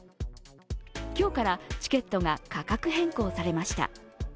今日からチケットが価格変更されました。